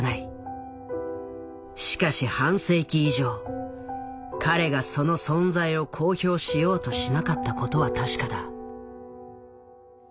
しかし半世紀以上彼がその存在を公表しようとしなかったことは確かだ。